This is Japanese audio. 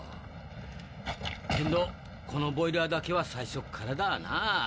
けんどこのボイラーだけは最初っからだあなぁ。